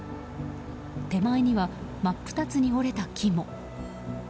手前には真っ二つに折れた木も。